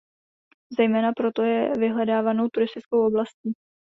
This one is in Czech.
Zejména proto je vyhledávanou turistickou oblastí.